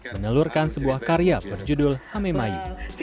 menelurkan sebuah karya berjudul hame mayu